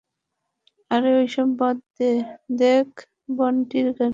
আরে ঐসব বাদ দে, দেখ বান্টির গাড়ি।